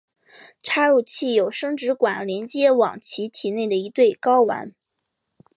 插入器有生殖管连接往其体内的一对睾丸。